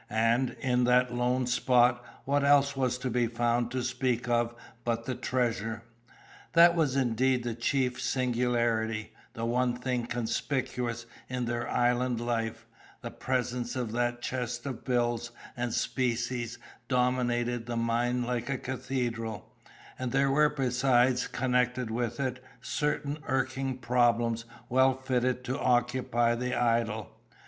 And, in that lone spot, what else was to be found to speak of but the treasure? That was indeed the chief singularity, the one thing conspicuous in their island life; the presence of that chest of bills and specie dominated the mind like a cathedral; and there were besides connected with it, certain irking problems well fitted to occupy the idle.